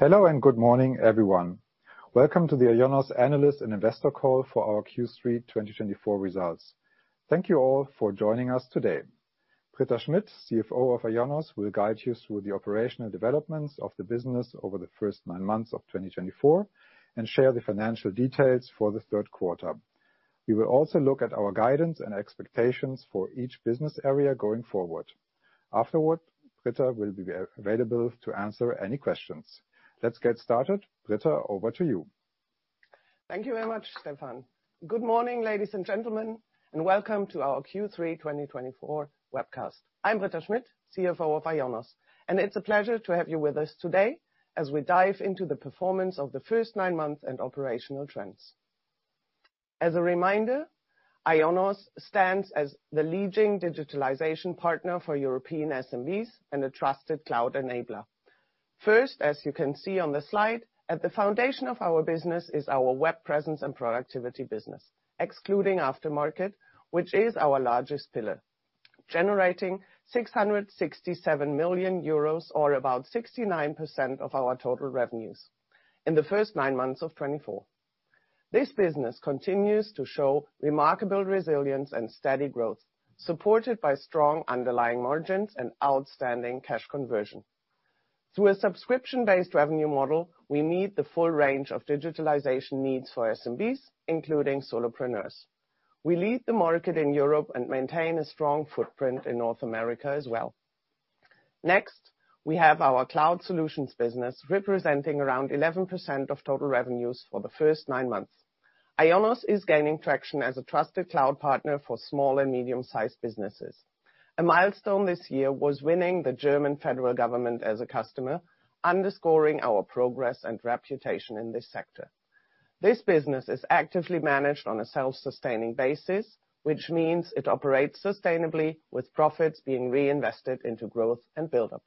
Hello and good morning, everyone. Welcome to the IONOS analyst and investor call for our Q3 2024 results. Thank you all for joining us today. Britta Schmidt, CFO of IONOS, will guide you through the operational developments of the business over the first nine months of 2024 and share the financial details for the third quarter. We will also look at our guidance and expectations for each business area going forward. Afterward, Britta will be available to answer any questions. Let's get started. Britta, over to you. Thank you very much, Stephan. Good morning, ladies and gentlemen, and welcome to our Q3 2024 webcast. I'm Britta Schmidt, CFO of IONOS, and it's a pleasure to have you with us today as we dive into the performance of the first nine months and operational trends. As a reminder, IONOS stands as the leading digitalization partner for European SMBs and a trusted cloud enabler. First, as you can see on the slide, at the foundation of our business is our web presence and productivity business, excluding aftermarket, which is our largest pillar, generating 667 million euros, or about 69% of our total revenues, in the first nine months of 2024. This business continues to show remarkable resilience and steady growth, supported by strong underlying margins and outstanding cash conversion. Through a subscription-based revenue model, we meet the full range of digitalization needs for SMBs, including solopreneurs. We lead the market in Europe and maintain a strong footprint in North America as well. Next, we have our cloud solutions business representing around 11% of total revenues for the first nine months. IONOS is gaining traction as a trusted cloud partner for small and medium-sized businesses. A milestone this year was winning the German federal government as a customer, underscoring our progress and reputation in this sector. This business is actively managed on a self-sustaining basis, which means it operates sustainably, with profits being reinvested into growth and build-up.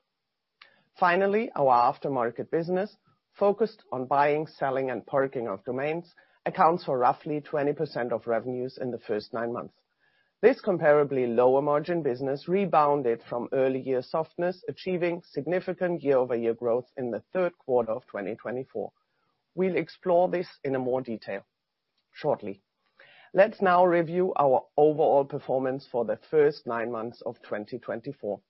Finally, our aftermarket business, focused on buying, selling, and parking of domains, accounts for roughly 20% of revenues in the first nine months. This comparably lower-margin business rebounded from early-year softness, achieving significant year-over-year growth in the third quarter of 2024. We'll explore this in more detail shortly. Let's now review our overall performance for the first nine months of 2024.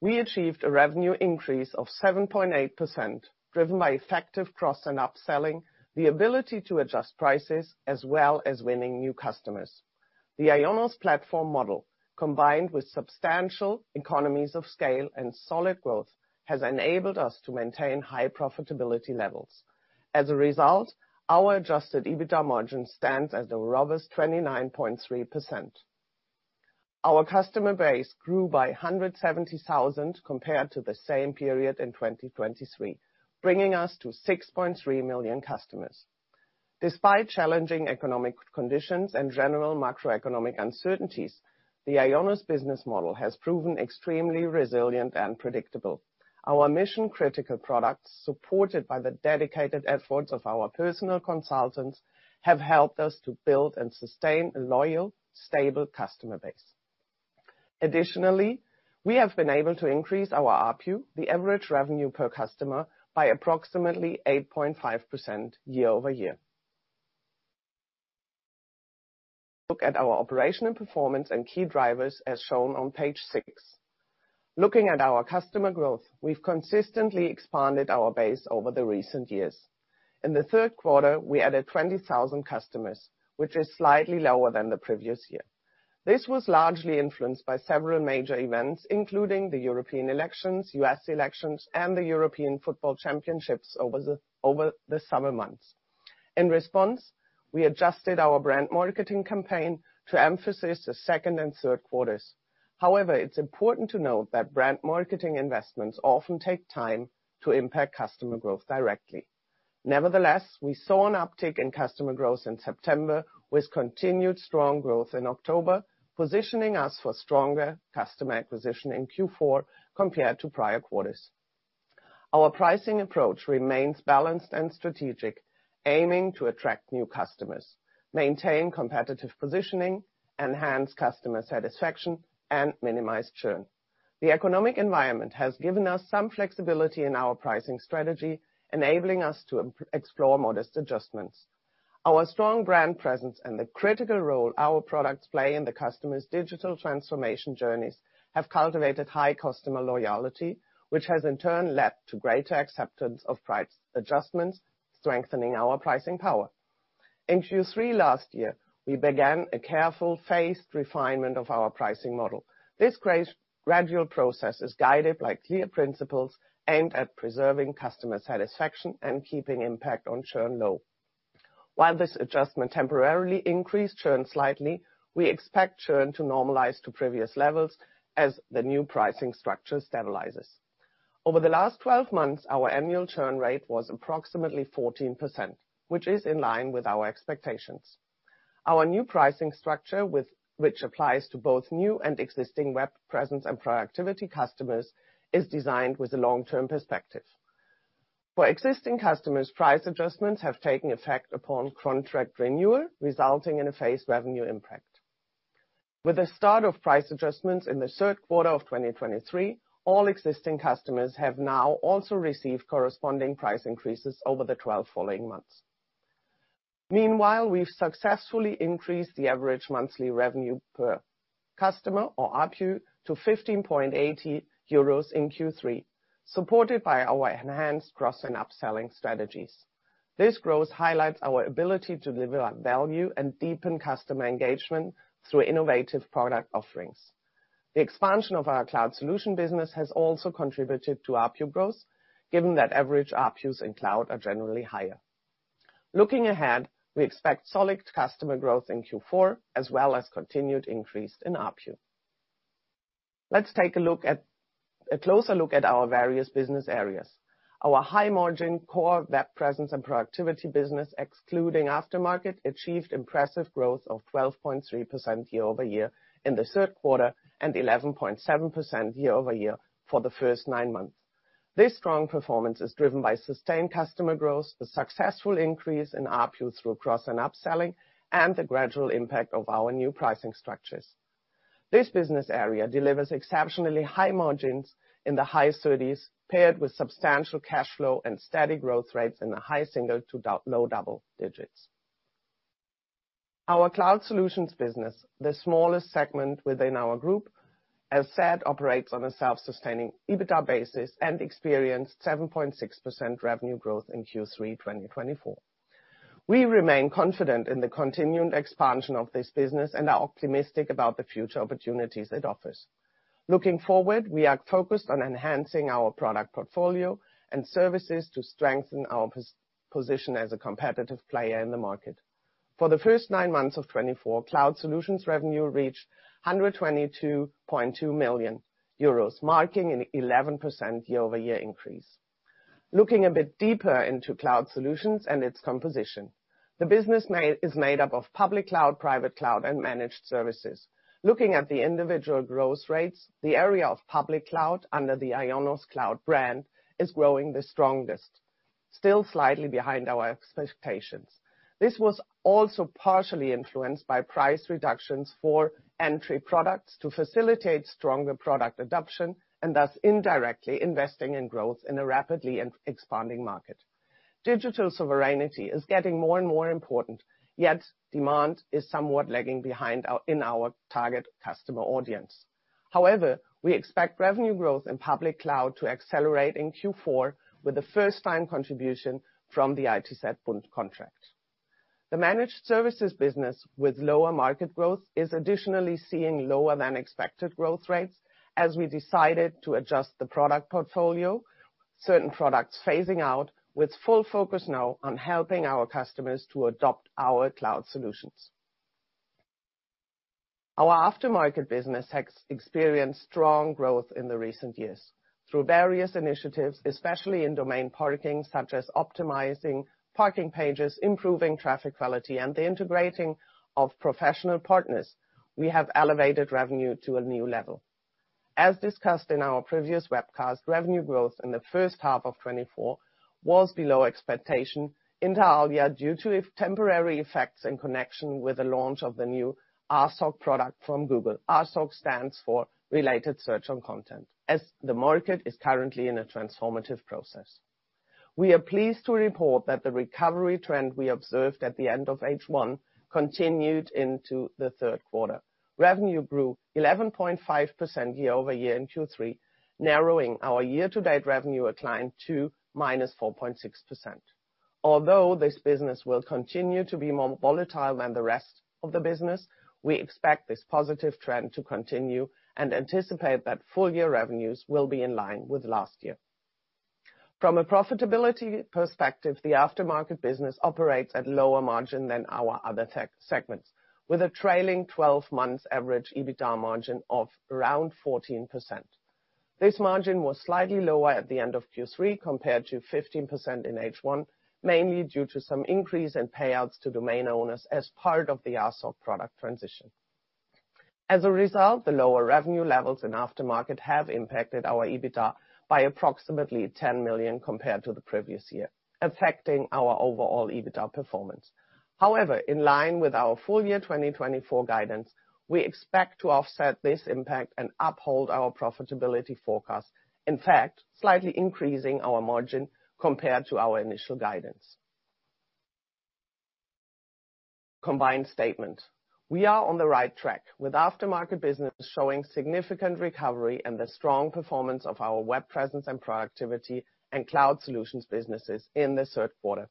We achieved a revenue increase of 7.8%, driven by effective cross-and-up selling, the ability to adjust prices, as well as winning new customers. The IONOS platform model, combined with substantial economies of scale and solid growth, has enabled us to maintain high profitability levels. As a result, our Adjusted EBITDA margin stands at a robust 29.3%. Our customer base grew by 170,000 compared to the same period in 2023, bringing us to 6.3 million customers. Despite challenging economic conditions and general macroeconomic uncertainties, the IONOS business model has proven extremely resilient and predictable. Our mission-critical products, supported by the dedicated efforts of our personal consultants, have helped us to build and sustain a loyal, stable customer base. Additionally, we have been able to increase our RPU, the average revenue per customer, by approximately 8.5% year-over-year. Look at our operational performance and key drivers, as shown on page six. Looking at our customer growth, we've consistently expanded our base over the recent years. In the third quarter, we added 20,000 customers, which is slightly lower than the previous year. This was largely influenced by several major events, including the European elections, U.S. elections, and the European Football Championships over the summer months. In response, we adjusted our brand marketing campaign to emphasize the second and third quarters. However, it's important to note that brand marketing investments often take time to impact customer growth directly. Nevertheless, we saw an uptick in customer growth in September, with continued strong growth in October, positioning us for stronger customer acquisition in Q4 compared to prior quarters. Our pricing approach remains balanced and strategic, aiming to attract new customers, maintain competitive positioning, enhance customer satisfaction, and minimize churn. The economic environment has given us some flexibility in our pricing strategy, enabling us to explore modest adjustments. Our strong brand presence and the critical role our products play in the customer's digital transformation journeys have cultivated high customer loyalty, which has in turn led to greater acceptance of price adjustments, strengthening our pricing power. In Q3 last year, we began a careful phased refinement of our pricing model. This gradual process is guided by clear principles aimed at preserving customer satisfaction and keeping impact on churn low. While this adjustment temporarily increased churn slightly, we expect churn to normalize to previous levels as the new pricing structure stabilizes. Over the last 12 months, our annual churn rate was approximately 14%, which is in line with our expectations. Our new pricing structure, which applies to both new and existing web presence and productivity customers, is designed with a long-term perspective. For existing customers, price adjustments have taken effect upon contract renewal, resulting in a phased revenue impact. With the start of price adjustments in the third quarter of 2023, all existing customers have now also received corresponding price increases over the 12 following months. Meanwhile, we've successfully increased the average monthly revenue per customer or RPU to 15.80 euros in Q3, supported by our enhanced cross-and-up selling strategies. This growth highlights our ability to deliver value and deepen customer engagement through innovative product offerings. The expansion of our cloud solution business has also contributed to RPU growth, given that average RPUs in cloud are generally higher. Looking ahead, we expect solid customer growth in Q4, as well as continued increase in RPU. Let's take a closer look at our various business areas. Our high-margin core web presence and productivity business, excluding aftermarket, achieved impressive growth of 12.3% year-over-year in the third quarter and 11.7% year-over-year for the first nine months. This strong performance is driven by sustained customer growth, the successful increase in RPU through cross-and-up selling, and the gradual impact of our new pricing structures. This business area delivers exceptionally high margins in the high 30s, paired with substantial cash flow and steady growth rates in the high single to low double digits. Our cloud solutions business, the smallest segment within our group, as said, operates on a self-sustaining EBITDA basis and experienced 7.6% revenue growth in Q3 2024. We remain confident in the continued expansion of this business and are optimistic about the future opportunities it offers. Looking forward, we are focused on enhancing our product portfolio and services to strengthen our position as a competitive player in the market. For the first nine months of 2024, cloud solutions revenue reached 122.2 million euros, marking an 11% year-over-year increase. Looking a bit deeper into cloud solutions and its composition, the business is made up of public cloud, private cloud, and managed services. Looking at the individual growth rates, the area of public cloud under the IONOS Cloud brand is growing the strongest, still slightly behind our expectations. This was also partially influenced by price reductions for entry products to facilitate stronger product adoption and thus indirectly investing in growth in a rapidly expanding market. Digital sovereignty is getting more and more important, yet demand is somewhat lagging behind in our target customer audience. However, we expect revenue growth in public cloud to accelerate in Q4 with a first-time contribution from the ITZBund contract. The managed services business, with lower market growth, is additionally seeing lower-than-expected growth rates, as we decided to adjust the product portfolio, certain products phasing out, with full focus now on helping our customers to adopt our cloud solutions. Our aftermarket business has experienced strong growth in recent years. Through various initiatives, especially in domain parking, such as optimizing parking pages, improving traffic quality, and integrating of professional partners, we have elevated revenue to a new level. As discussed in our previous webcast, revenue growth in the first half of 2024 was below expectation in the aftermarket due to temporary effects in connection with the launch of the new RSOC product from Google. RSOC stands for Related Search on Content. As the market is currently in a transformative process. We are pleased to report that the recovery trend we observed at the end of H1 continued into the third quarter. Revenue grew 11.5% year-over-year in Q3, narrowing our year-to-date revenue decline to -4.6%. Although this business will continue to be more volatile than the rest of the business, we expect this positive trend to continue and anticipate that full-year revenues will be in line with last year. From a profitability perspective, the aftermarket business operates at lower margin than our other segments, with a trailing 12-month average EBITDA margin of around 14%. This margin was slightly lower at the end of Q3 compared to 15% in H1, mainly due to some increase in payouts to domain owners as part of the RSOC product transition. As a result, the lower revenue levels in aftermarket have impacted our EBITDA by approximately 10 million compared to the previous year, affecting our overall EBITDA performance. However, in line with our full-year 2024 guidance, we expect to offset this impact and uphold our profitability forecast, in fact, slightly increasing our margin compared to our initial guidance. Combined statement: We are on the right track, with aftermarket business showing significant recovery and the strong performance of our web presence and productivity and cloud solutions businesses in the third quarter.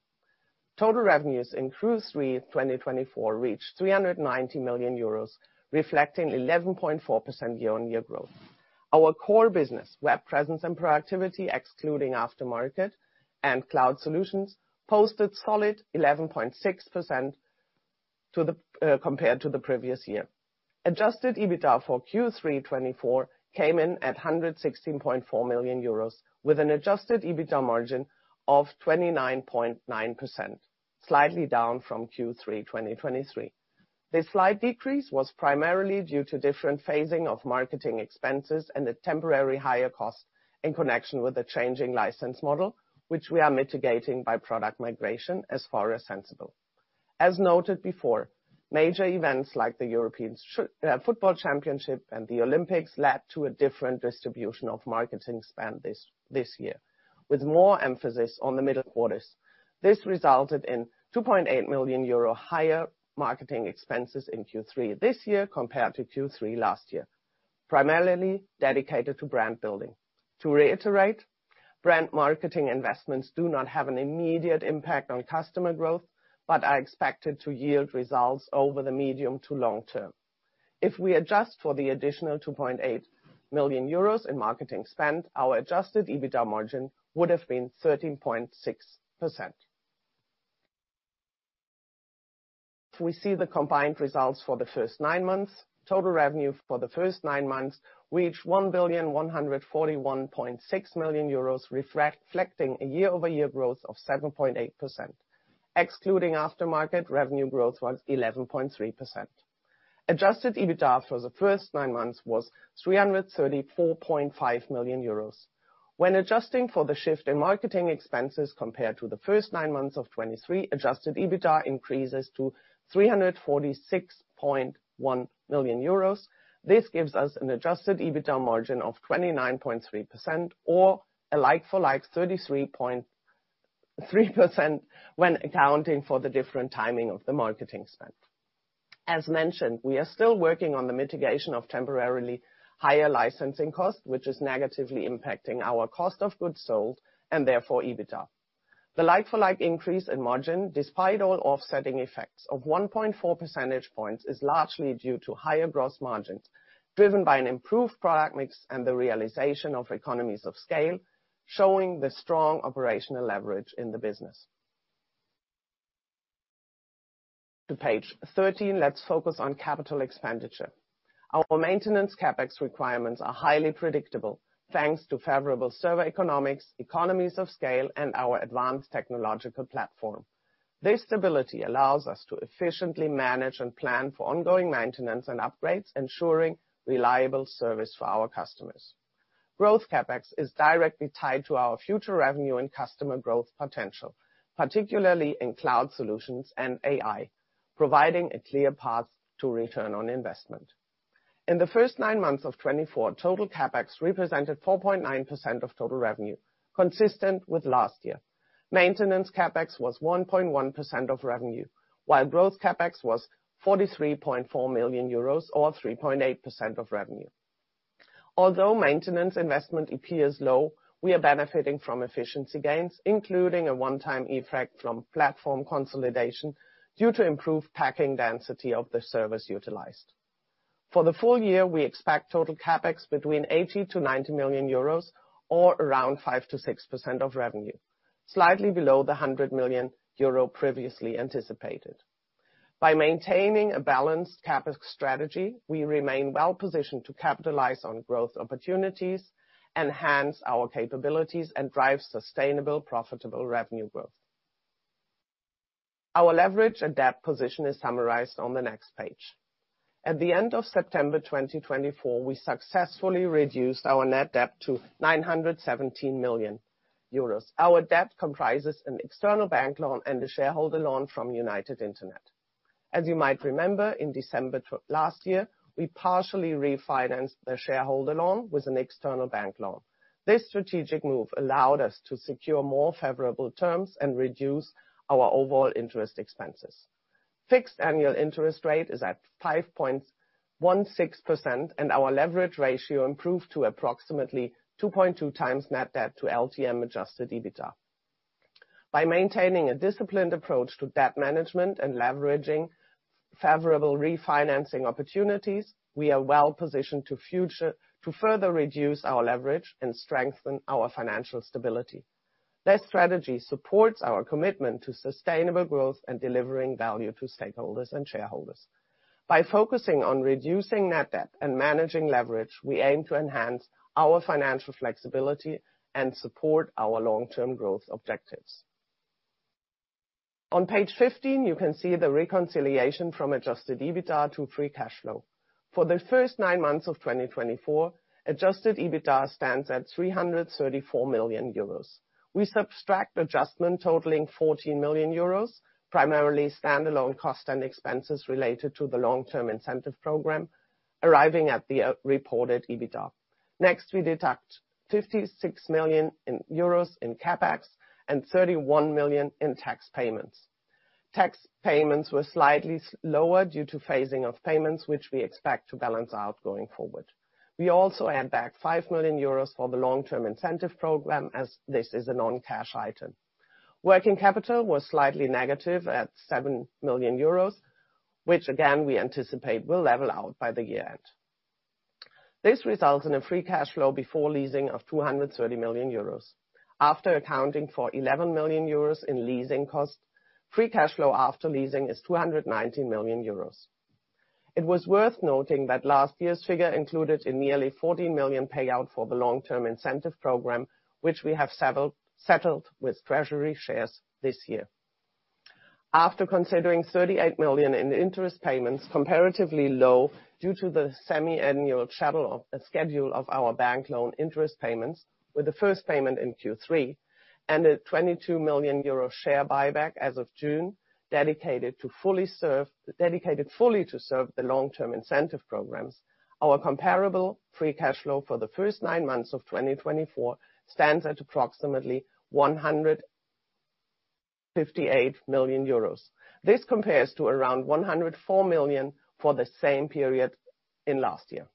Total revenues in Q3 2024 reached 390 million euros, reflecting 11.4% year-on-year growth. Our core business, web presence and productivity, excluding aftermarket and cloud solutions, posted solid 11.6% compared to the previous year. Adjusted EBITDA for Q3 2024 came in at 116.4 million euros, with an adjusted EBITDA margin of 29.9%, slightly down from Q3 2023. This slight decrease was primarily due to different phasing of marketing expenses and a temporary higher cost in connection with the changing license model, which we are mitigating by product migration as far as sensible. As noted before, major events like the European Football Championship and the Olympics led to a different distribution of marketing spend this year, with more emphasis on the middle quarters. This resulted in 2.8 million euro higher marketing expenses in Q3 this year compared to Q3 last year, primarily dedicated to brand building. To reiterate, brand marketing investments do not have an immediate impact on customer growth, but are expected to yield results over the medium to long term. If we adjust for the additional 2.8 million euros in marketing spend, our adjusted EBITDA margin would have been 13.6%. We see the combined results for the first nine months. Total revenue for the first nine months reached 1,141.6 million euros, reflecting a year-over-year growth of 7.8%. Excluding aftermarket, revenue growth was 11.3%. Adjusted EBITDA for the first nine months was 334.5 million euros. When adjusting for the shift in marketing expenses compared to the first nine months of 2023, adjusted EBITDA increases to 346.1 million euros. This gives us an adjusted EBITDA margin of 29.3%, or a like-for-like 33.3% when accounting for the different timing of the marketing spend. As mentioned, we are still working on the mitigation of temporarily higher licensing costs, which is negatively impacting our cost of goods sold and therefore EBITDA. The like-for-like increase in margin, despite all offsetting effects of 1.4 percentage points, is largely due to higher gross margins driven by an improved product mix and the realization of economies of scale, showing the strong operational leverage in the business. To page 13, let's focus on capital expenditure. Our maintenance CapEx requirements are highly predictable, thanks to favorable server economics, economies of scale, and our advanced technological platform. This stability allows us to efficiently manage and plan for ongoing maintenance and upgrades, ensuring reliable service for our customers. Growth CapEx is directly tied to our future revenue and customer growth potential, particularly in cloud solutions and AI, providing a clear path to return on investment. In the first nine months of 2024, total CapEx represented 4.9% of total revenue, consistent with last year. Maintenance CapEx was 1.1% of revenue, while growth CapEx was 43.4 million euros, or 3.8% of revenue. Although maintenance investment appears low, we are benefiting from efficiency gains, including a one-time effect from platform consolidation due to improved packing density of the servers utilized. For the full year, we expect total CapEx between 80 to 90 million euros, or around 5% to 6% of revenue, slightly below the 100 million euro previously anticipated. By maintaining a balanced CapEx strategy, we remain well-positioned to capitalize on growth opportunities, enhance our capabilities, and drive sustainable, profitable revenue growth. Our leverage and debt position is summarized on the next page. At the end of September 2024, we successfully reduced our net debt to 917 million euros. Our debt comprises an external bank loan and a shareholder loan from United Internet. As you might remember, in December last year, we partially refinanced the shareholder loan with an external bank loan. This strategic move allowed us to secure more favorable terms and reduce our overall interest expenses. Fixed annual interest rate is at 5.16%, and our leverage ratio improved to approximately 2.2x net debt to LTM-adjusted EBITDA. By maintaining a disciplined approach to debt management and leveraging favorable refinancing opportunities, we are well-positioned to further reduce our leverage and strengthen our financial stability. This strategy supports our commitment to sustainable growth and delivering value to stakeholders and shareholders. By focusing on reducing net debt and managing leverage, we aim to enhance our financial flexibility and support our long-term growth objectives. On page 15, you can see the reconciliation from adjusted EBITDA to free cash flow. For the first nine months of 2024, adjusted EBITDA stands at 334 million euros. We subtract adjustment totaling 14 million euros, primarily standalone costs and expenses related to the long-term incentive program, arriving at the reported EBITDA. Next, we deduct 56 million euros in CapEx and 31 million in tax payments. Tax payments were slightly lower due to phasing of payments, which we expect to balance out going forward. We also add back 5 million euros for the long-term incentive program, as this is a non-cash item. Working capital was slightly negative at 7 million euros, which, again, we anticipate will level out by the year end. This results in a free cash flow before leasing of 230 million euros. After accounting for 11 million euros in leasing cost, free cash flow after leasing is 219 million euros. It was worth noting that last year's figure included a nearly 14 million payout for the long-term incentive program, which we have settled with Treasury Shares this year. After considering 38 million in interest payments, comparatively low due to the semi-annual schedule of our bank loan interest payments, with the first payment in Q3 and a 22 million euro share buyback as of June, dedicated fully to serve the long-term incentive programs, our comparable free cash flow for the first nine months of 2024 stands at approximately 158 million euros. This compares to around 104 million for the same period in last year.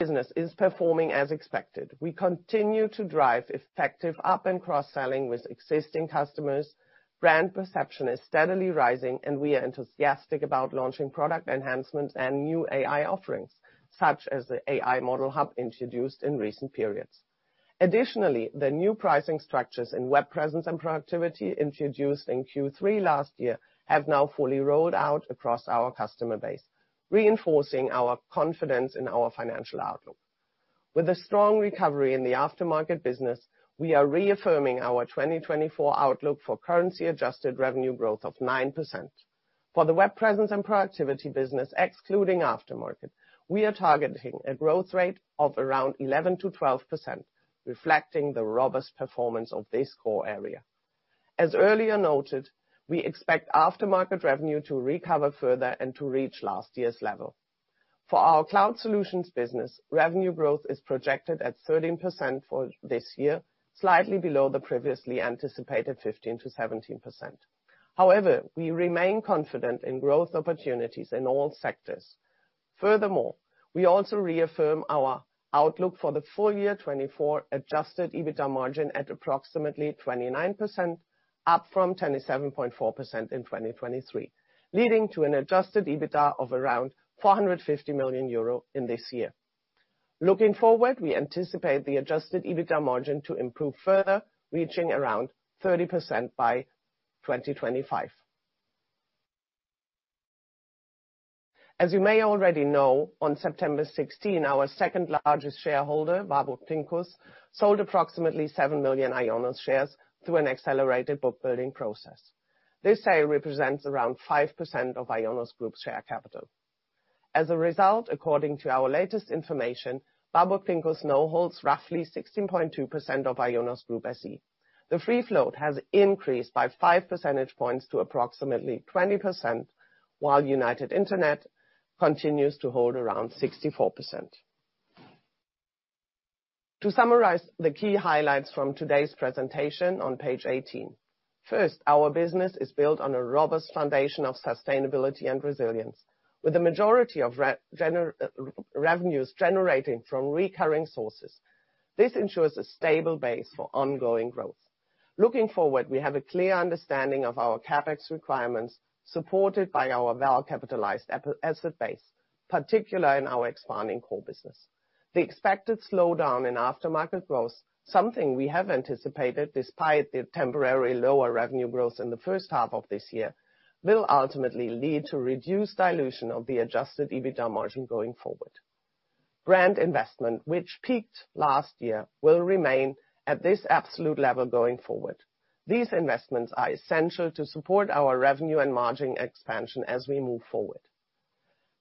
The business is performing as expected. We continue to drive effective up and cross-selling with existing customers. Brand perception is steadily rising, and we are enthusiastic about launching product enhancements and new AI offerings, such as the AI Model Hub introduced in recent periods. Additionally, the new pricing structures in Web Presence and Productivity introduced in Q3 last year have now fully rolled out across our customer base, reinforcing our confidence in our financial outlook. With a strong recovery in the aftermarket business, we are reaffirming our 2024 outlook for currency-adjusted revenue growth of 9%. For the web presence and productivity business, excluding aftermarket, we are targeting a growth rate of around 11%-12%, reflecting the robust performance of this core area. As earlier noted, we expect aftermarket revenue to recover further and to reach last year's level. For our cloud solutions business, revenue growth is projected at 13% for this year, slightly below the previously anticipated 15%-17%. However, we remain confident in growth opportunities in all sectors. Furthermore, we also reaffirm our outlook for the full-year 2024 adjusted EBITDA margin at approximately 29%, up from 27.4% in 2023, leading to an adjusted EBITDA of around 450 million euro in this year. Looking forward, we anticipate the adjusted EBITDA margin to improve further, reaching around 30% by 2025. As you may already know, on September 16, our second-largest shareholder, Warburg Pincus, sold approximately 7 million IONOS shares through an accelerated book-building process. This sale represents around 5% of IONOS Group's share capital. As a result, according to our latest information, Warburg Pincus now holds roughly 16.2% of IONOS Group SE. The free float has increased by 5 percentage points to approximately 20%, while United Internet continues to hold around 64%. To summarize the key highlights from today's presentation on page 18, first, our business is built on a robust foundation of sustainability and resilience, with the majority of revenues generating from recurring sources. This ensures a stable base for ongoing growth. Looking forward, we have a clear understanding of our CapEx requirements, supported by our well-capitalized asset base, particularly in our expanding core business. The expected slowdown in Aftermarket growth, something we have anticipated despite the temporary lower revenue growth in the first half of this year, will ultimately lead to reduced dilution of the Adjusted EBITDA margin going forward. Brand investment, which peaked last year, will remain at this absolute level going forward. These investments are essential to support our revenue and margin expansion as we move forward.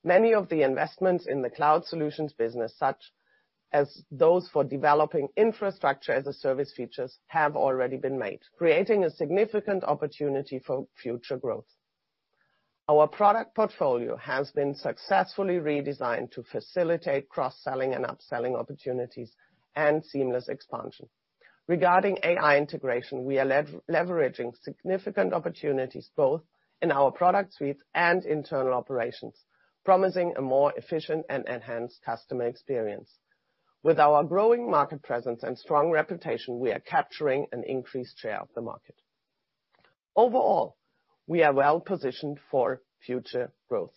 Many of the investments in the Cloud Solutions business, such as those for developing infrastructure as a service features, have already been made, creating a significant opportunity for future growth. Our product portfolio has been successfully redesigned to facilitate cross-selling and upselling opportunities and seamless expansion. Regarding AI integration, we are leveraging significant opportunities both in our product suites and internal operations, promising a more efficient and enhanced customer experience. With our growing market presence and strong reputation, we are capturing an increased share of the market. Overall, we are well-positioned for future growth.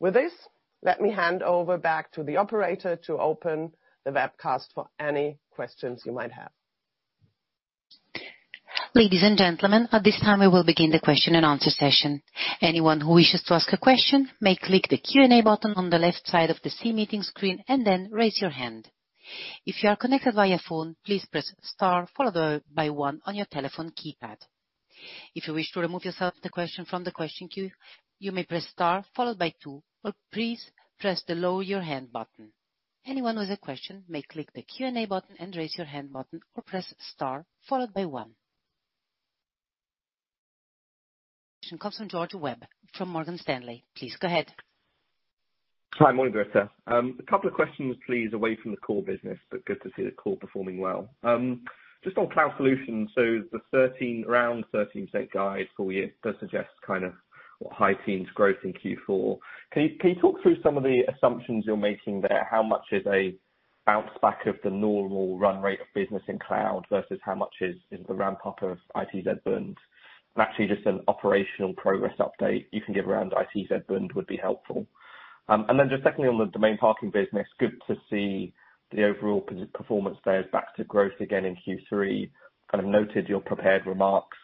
With this, let me hand over back to the operator to open the webcast for any questions you might have. Ladies and gentlemen, at this time, we will begin the question and answer session. Anyone who wishes to ask a question may click the Q&A button on the left side of the Zoom meeting screen and then raise your hand. If you are connected via phone, please press star followed by one on your telephone keypad. If you wish to remove your question from the question queue, you may press star followed by two or please press the lower your hand button. Anyone with a question may click the Q&A button and raise your hand or press star followed by one. Comes from George Webb from Morgan Stanley. Please go ahead. Hi, morning, Britta. A couple of questions, please, away from the core business, but good to see the core performing well. Just on cloud solutions, so the around 13% guide for you does suggest kind of high teens growth in Q4. Can you talk through some of the assumptions you're making there? How much is a bounce back of the normal run rate of business in cloud versus how much is the ramp-up of ITZBund? And actually, just an operational progress update you can give around ITZBund would be helpful. And then just secondly, on the domain parking business, good to see the overall performance there is back to growth again in Q3. Kind of noted your prepared remarks,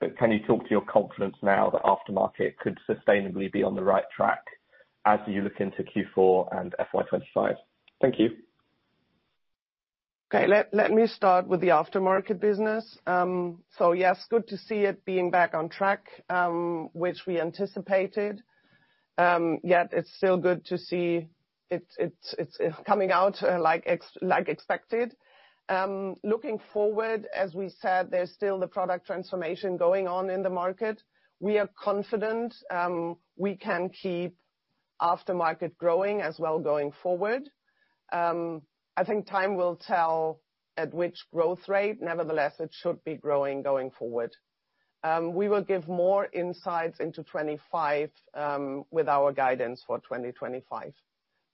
but can you talk to your confidence now that aftermarket could sustainably be on the right track as you look into Q4 and FY25? Thank you. Okay, let me start with the aftermarket business. So yes, good to see it being back on track, which we anticipated. Yet it's still good to see it's coming out like expected. Looking forward, as we said, there's still the product transformation going on in the market. We are confident we can keep aftermarket growing as well going forward. I think time will tell at which growth rate. Nevertheless, it should be growing going forward. We will give more insights into 2025 with our guidance for 2025,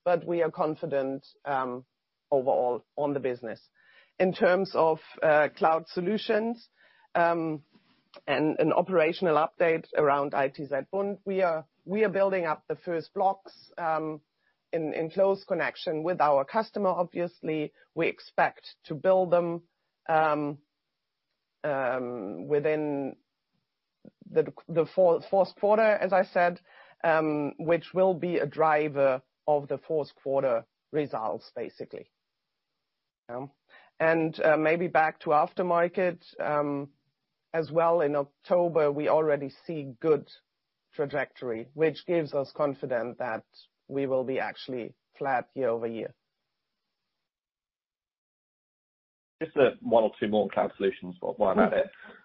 but we are confident overall on the business. In terms of cloud solutions and an operational update around ITZBund, we are building up the first blocks in close connection with our customer. Obviously, we expect to build them within the fourth quarter, as I said, which will be a driver of the fourth quarter results, basically. And maybe back to aftermarket as well. In October, we already see good trajectory, which gives us confidence that we will be actually flat year-over-year. Just one or two more cloud solutions, but why not?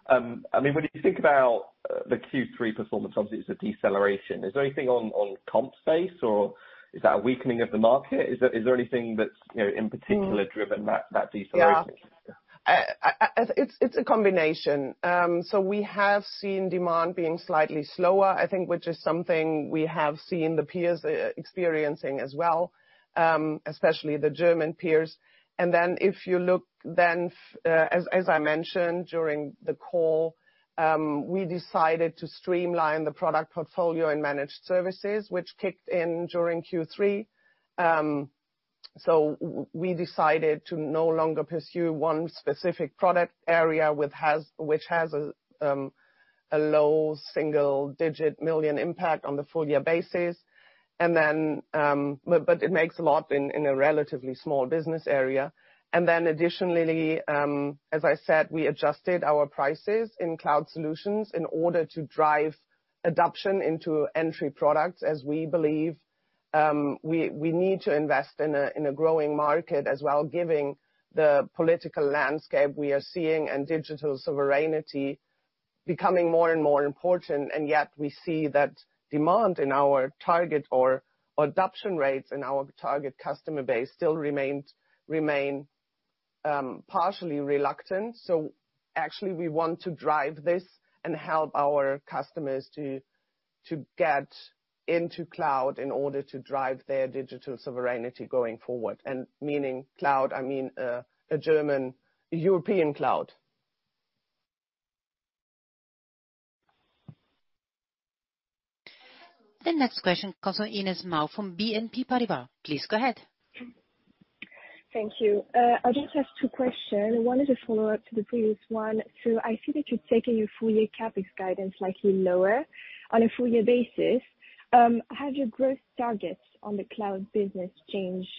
I mean, when you think about the Q3 performance objectives of deceleration, is there anything on cloud space or is that a weakening of the market? Is there anything that's in particular driven that deceleration? Yeah, it's a combination. So we have seen demand being slightly slower, I think, which is something we have seen the peers experiencing as well, especially the German peers. And then if you look, then as I mentioned during the call, we decided to streamline the product portfolio and managed services, which kicked in during Q3. So we decided to no longer pursue one specific product area, which has a low single-digit million impact on the full-year basis. But it makes a lot in a relatively small business area and then additionally, as I said, we adjusted our prices in cloud solutions in order to drive adoption into entry products, as we believe we need to invest in a growing market as well, given the political landscape we are seeing and digital sovereignty becoming more and more important and yet we see that demand in our target or adoption rates in our target customer base still remain partially reluctant. So actually, we want to drive this and help our customers to get into cloud in order to drive their digital sovereignty going forward and meaning cloud, I mean a German European cloud. The next question comes from Inês Gusmão from BNP Paribas. Please go ahead. Thank you. I just have two questions. One is a follow-up to the previous one. So I see that you're taking your full-year CapEx guidance slightly lower on a full-year basis. Has your growth targets on the cloud business changed?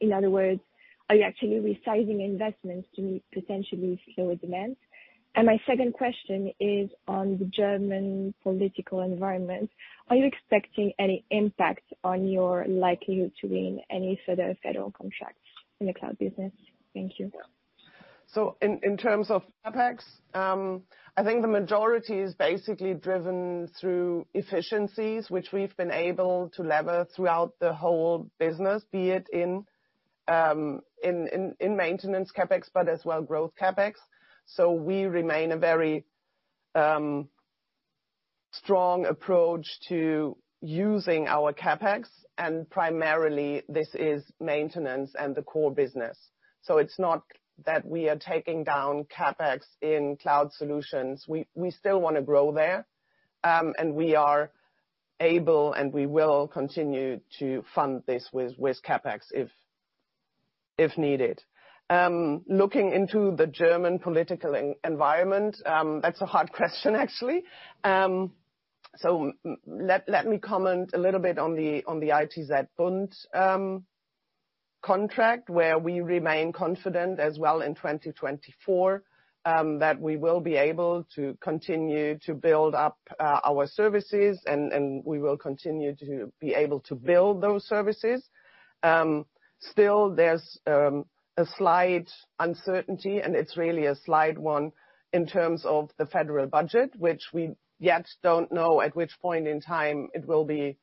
In other words, are you actually resizing investments to meet potentially slower demand? And my second question is on the German political environment. Are you expecting any impact on your likelihood to win any further federal contracts in the cloud business? Thank you. So in terms of CapEx, I think the majority is basically driven through efficiencies, which we've been able to leverage throughout the whole business, be it in maintenance CapEx, but as well growth CapEx. So we remain a very strong approach to using our CapEx, and primarily this is maintenance and the core business. So it's not that we are taking down CapEx in cloud solutions. We still want to grow there, and we are able and we will continue to fund this with CapEx if needed. Looking into the German political environment, that's a hard question, actually. So let me comment a little bit on the ITZBund contract, where we remain confident as well in 2024 that we will be able to continue to build up our services, and we will continue to be able to build those services. Still, there's a slight uncertainty, and it's really a slight one in terms of the federal budget, which we yet don't know at which point in time it will be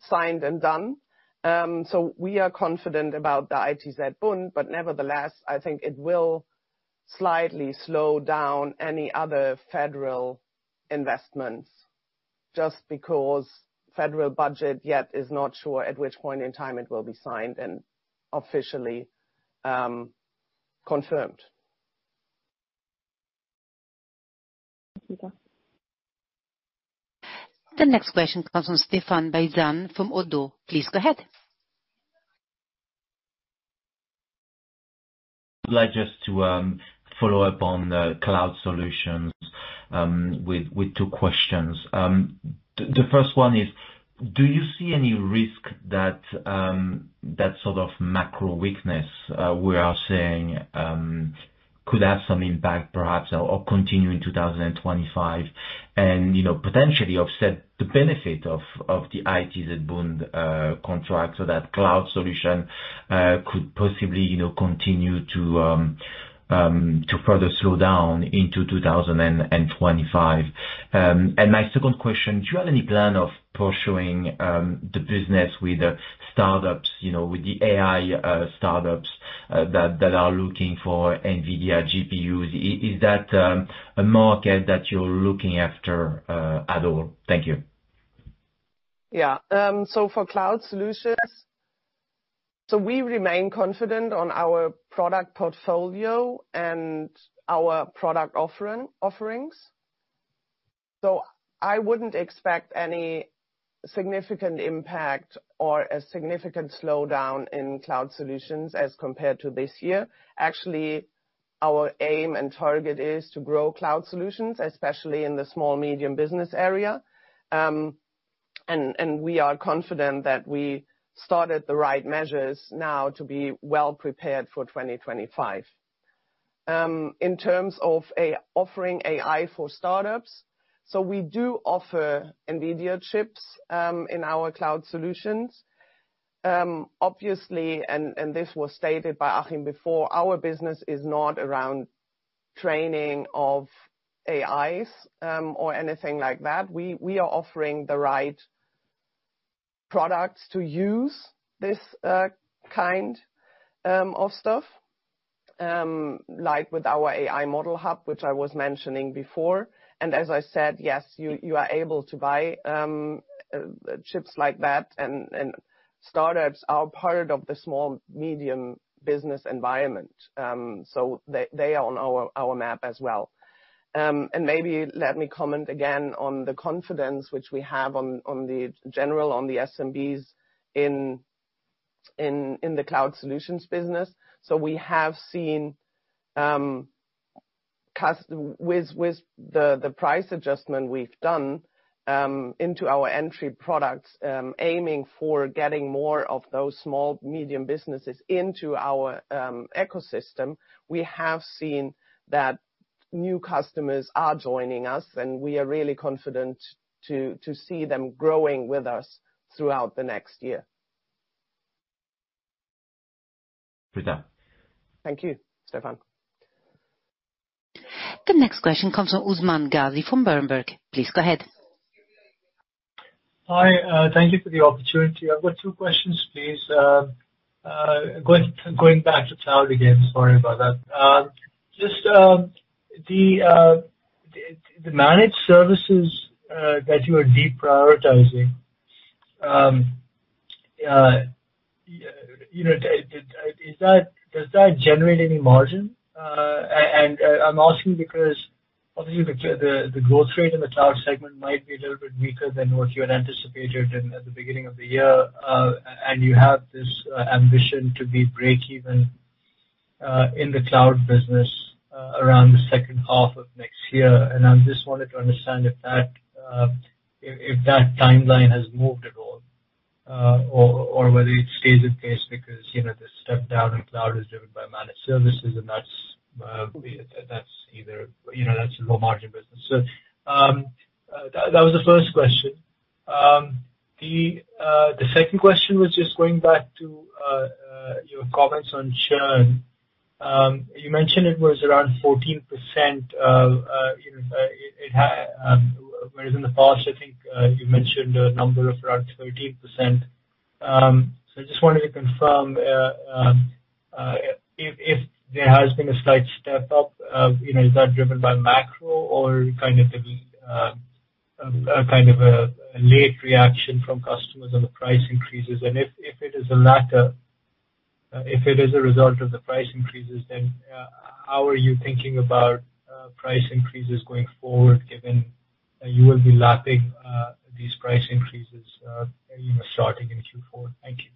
signed and done. So we are confident about the ITZBund, but nevertheless, I think it will slightly slow down any other federal investments just because the federal budget yet is not sure at which point in time it will be signed and officially confirmed. The next question comes from Stephane Beyazian from ODDO BHF. Please go ahead. I'd like just to follow up on the cloud solutions with two questions. The first one is, do you see any risk that sort of macro weakness we are seeing could have some impact perhaps or continue in 2025 and potentially offset the benefit of the ITZBund contract so that cloud solution could possibly continue to further slow down into 2025? And my second question, do you have any plan of pursuing the business with the startups, with the AI startups that are looking for NVIDIA GPUs? Is that a market that you're looking after at all? Thank you. Yeah. So for cloud solutions, so we remain confident on our product portfolio and our product offerings. So I wouldn't expect any significant impact or a significant slowdown in cloud solutions as compared to this year. Actually, our aim and target is to grow cloud solutions, especially in the small-medium business area and we are confident that we started the right measures now to be well prepared for 2025. In terms of offering AI for startups, so we do offer NVIDIA chips in our cloud solutions. Obviously, and this was stated by Achim before, our business is not around training of AIs or anything like that. We are offering the right products to use this kind of stuff, like with our AI Model Hub, which I was mentioning before. And as I said, yes, you are able to buy chips like that. And startups are part of the small-medium business environment. So they are on our map as well. And maybe let me comment again on the confidence which we have on the general SMBs in the cloud solutions business. So we have seen with the price adjustment we've done into our entry products, aiming for getting more of those small-medium businesses into our ecosystem, we have seen that new customers are joining us, and we are really confident to see them growing with us throughout the next year. Thank you, Stephan. The next question comes from Usman Ghazi from Berenberg. Please go ahead. Hi. Thank you for the opportunity. I've got two questions, please. Going back to cloud again, sorry about that. Just the managed services that you are deprioritizing, does that generate any margin? And I'm asking because obviously the growth rate in the cloud segment might be a little bit weaker than what you had anticipated at the beginning of the year and you have this ambition to be break-even in the cloud business around the second half of next year and I just wanted to understand if that timeline has moved at all or whether it stays in place because this step down in cloud is driven by managed services, and that's a low-margin business. So that was the first question. The second question was just going back to your comments on churn. You mentioned it was around 14%, whereas in the past, I think you mentioned a number of around 13%. So I just wanted to confirm if there has been a slight step up, is that driven by macro or kind of a late reaction from customers on the price increases? And if it is the latter, if it is a result of the price increases, then how are you thinking about price increases going forward given you will be lapping these price increases starting in Q4? Thank you.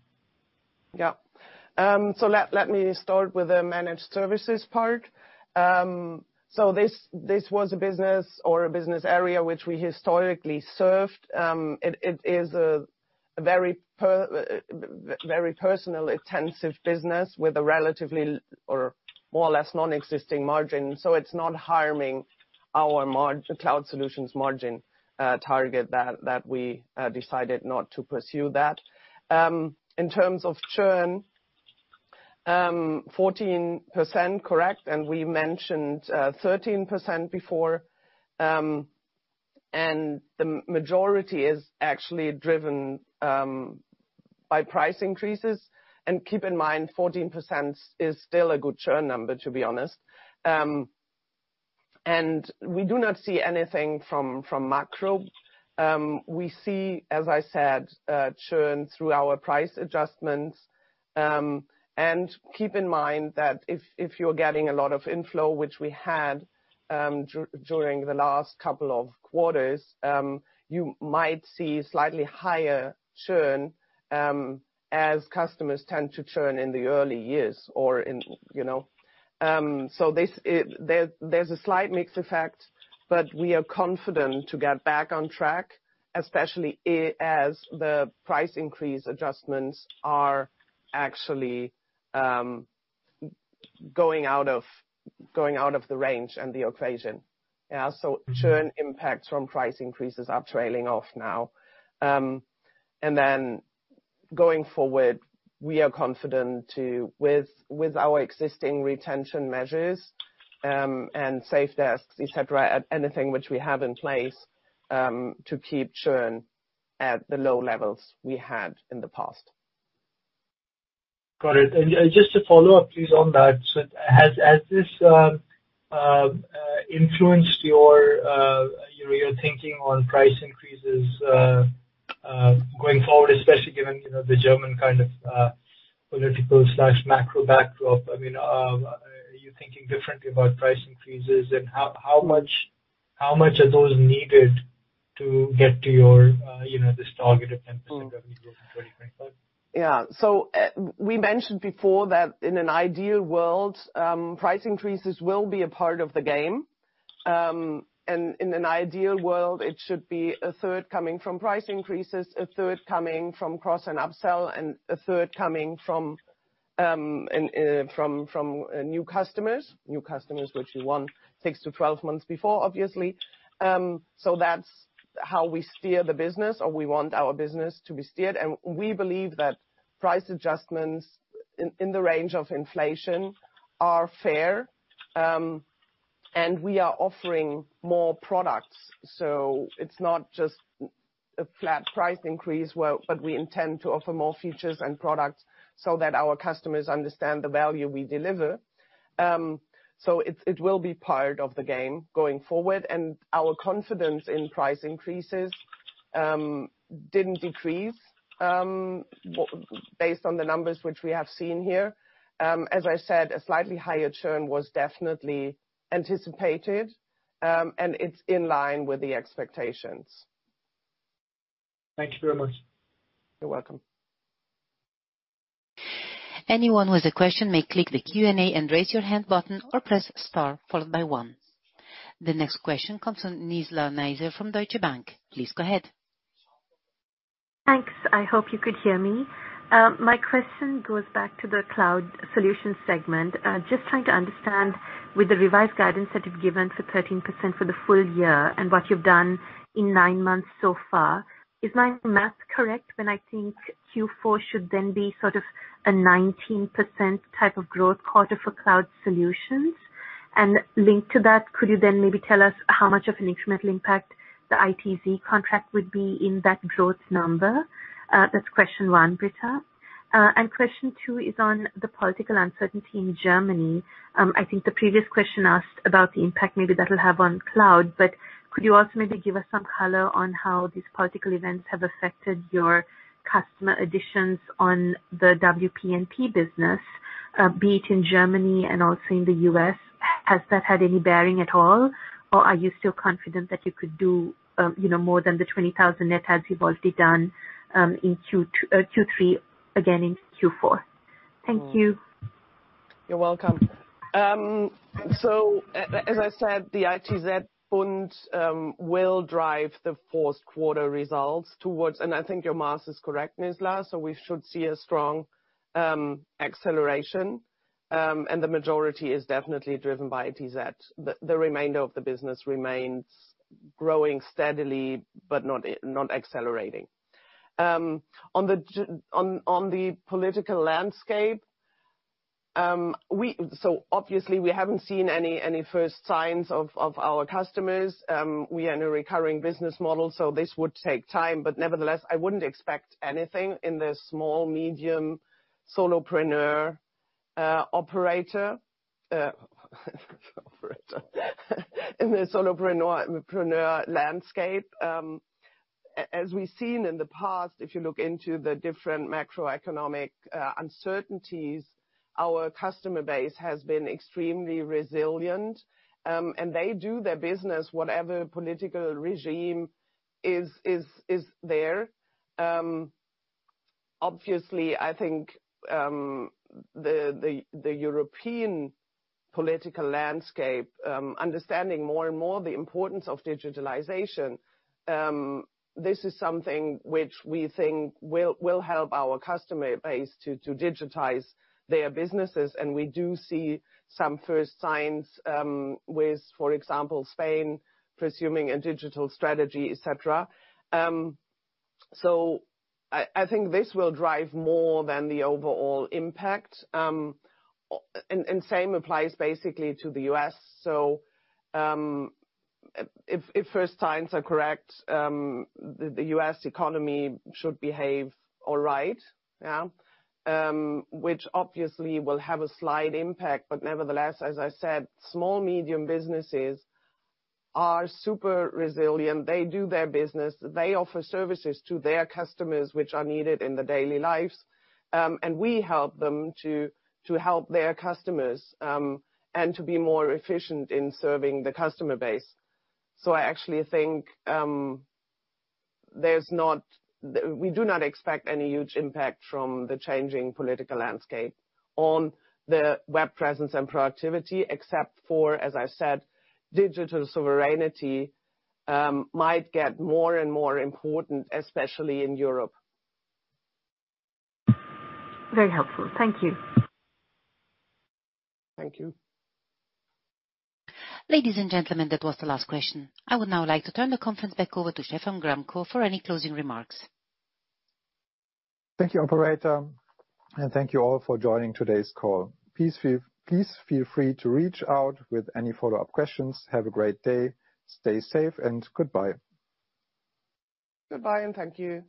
Yeah. So let me start with the managed services part. So this was a business or a business area which we historically served. It is a very personnel-intensive business with a relatively or more or less non-existing margin. So it's not harming our cloud solutions margin target that we decided not to pursue that. In terms of churn, 14%, correct? And we mentioned 13% before. And the majority is actually driven by price increases. Keep in mind, 14% is still a good churn number, to be honest. We do not see anything from macro. We see, as I said, churn through our price adjustments. Keep in mind that if you're getting a lot of inflow, which we had during the last couple of quarters, you might see slightly higher churn as customers tend to churn in the early years or in so there's a slight mixed effect, but we are confident to get back on track, especially as the price increase adjustments are actually going out of the range and the equation. Churn impacts from price increases are trailing off now. Going forward, we are confident with our existing retention measures and sales desks, etc., anything which we have in place to keep churn at the low levels we had in the past. Got it and just to follow up, please, on that. So has this influenced your thinking on price increases going forward, especially given the German kind of political/macro backdrop? I mean, are you thinking differently about price increases? And how much are those needed to get to this target of 10% revenue growth in 2025? Yeah. So we mentioned before that in an ideal world, price increases will be a part of the game. And in an ideal world, it should be a third coming from price increases, a third coming from cross and upsell, and a third coming from new customers, new customers which you want six to 12 months before, obviously. So that's how we steer the business or we want our business to be steered. And we believe that price adjustments in the range of inflation are fair. And we are offering more products. So it's not just a flat price increase, but we intend to offer more features and products so that our customers understand the value we deliver. So it will be part of the game going forward. And our confidence in price increases didn't decrease based on the numbers which we have seen here. As I said, a slightly higher churn was definitely anticipated, and it's in line with the expectations. Thank you very much. You're welcome. Anyone with a question may click the Q&A and raise your hand button or press star followed by one. The next question comes from Nizla Naizer from Deutsche Bank. Please go ahead. Thanks. I hope you could hear me. My question goes back to the cloud solution segment. Just trying to understand with the revised guidance that you've given for 13% for the full year and what you've done in nine months so far, is my math correct when I think Q4 should then be sort of a 19% type of growth quarter for cloud solutions? And linked to that, could you then maybe tell us how much of an incremental impact the ITZ contract would be in that growth number? That's question one, Britta. And question two is on the political uncertainty in Germany. I think the previous question asked about the impact maybe that'll have on cloud, but could you also maybe give us some color on how these political events have affected your customer additions on the WP&P business, be it in Germany and also in the U.S.? Has that had any bearing at all, or are you still confident that you could do more than the 20,000 net adds you've already done in Q3, again in Q4? Thank you. You're welcome. So as I said, the ITZBund will drive the fourth quarter results towards, and I think your math is correct, Nizla. So we should see a strong acceleration. And the majority is definitely driven by ITZBund. The remainder of the business remains growing steadily but not accelerating. On the political landscape, so obviously, we haven't seen any first signs of our customers. We are in a recurring business model, so this would take time. But nevertheless, I wouldn't expect anything in the small-medium solopreneur operator in the solopreneur landscape. As we've seen in the past, if you look into the different macroeconomic uncertainties, our customer base has been extremely resilient, and they do their business whatever political regime is there. Obviously, I think the European political landscape, understanding more and more the importance of digitalization, this is something which we think will help our customer base to digitize their businesses, and we do see some first signs with, for example, Spain pursuing a digital strategy, etc., so I think this will drive more than the overall impact, and same applies basically to the U.S., so if first signs are correct, the U.S. economy should behave all right, which obviously will have a slight impact, but nevertheless, as I said, small-medium businesses are super resilient. They do their business. They offer services to their customers which are needed in the daily lives. We help them to help their customers and to be more efficient in serving the customer base. So I actually think we do not expect any huge impact from the changing political landscape on the web presence and productivity, except for, as I said, digital sovereignty might get more and more important, especially in Europe. Very helpful. Thank you. Thank you. Ladies and gentlemen, that was the last question. I would now like to turn the conference back over to Stephan Gramkow for any closing remarks. Thank you, Operator. And thank you all for joining today's call. Please feel free to reach out with any follow-up questions. Have a great day. Stay safe, and goodbye. Goodbye, and thank you.